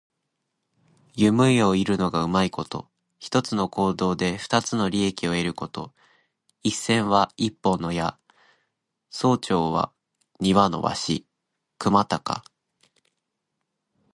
弓を射るのがうまいこと。一つの行動で二つの利益を得ること。「一箭」は一本の矢、「双雕」は二羽の鷲。くまたか。